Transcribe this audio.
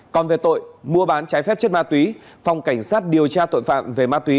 còn về tội mua bán trái phép chất ma túy phòng cảnh sát điều tra tội phạm về ma túy